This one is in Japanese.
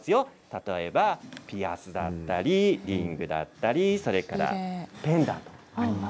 例えば、ピアスだったりリングだったりそれから、ペンダント。